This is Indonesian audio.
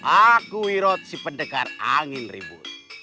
aku wirot si pendekar angin ribut